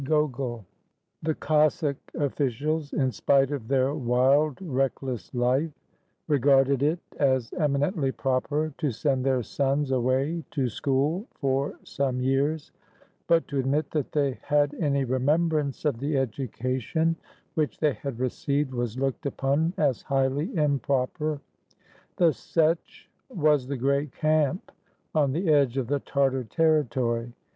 GOGOL [The Cossack officials, in spite of their wild, reckless life, regarded it as eminently proper to send their sons away to school for some years ; but to admit that they had any remem brance of the education which they had received was looked upon as highly improper. The "Setch" was the great camp on the edge of the Tartar territory.